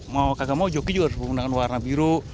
mau kagak mau joki juga harus menggunakan warna biru